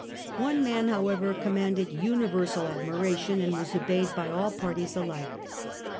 One man, however, commanded universal admiration and was obeyed by all parties alike.